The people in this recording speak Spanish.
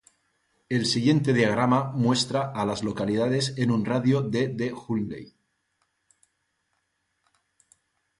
El siguiente diagrama muestra a las localidades en un radio de de Huntley.